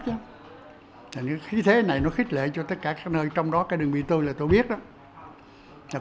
làm tan giã hẳng ngũ địch hoạt động tác chiến kết hợp với chiến trường địa biên phủ